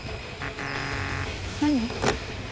何？